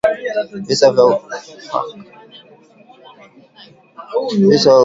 Visa vya ugonjwa wa kiwele huongezeka kadri umri unavyosonga